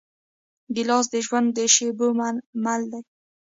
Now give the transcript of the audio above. ګیلاس د ژوند د شېبو مل دی.